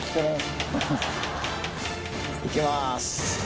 行きます。